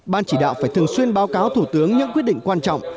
ban chỉ đạo phải thường xuyên báo cáo thủ tướng những quyết định quan trọng